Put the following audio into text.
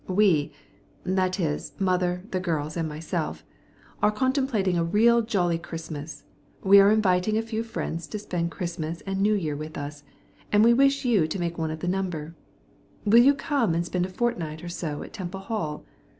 We that is, mother, the girls, and myself are contemplating a real jolly Christmas. We are inviting a few friends to spend Christmas and New Year with us, and we wish you to make one of the number. Will you come and spend a fortnight or so at Temple Hall?